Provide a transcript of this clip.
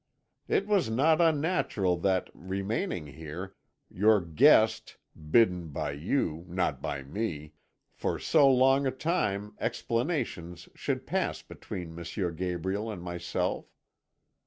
It was not unnatural that, remaining here, your guest bidden by you, not by me for so long a time explanations should pass between M. Gabriel and myself.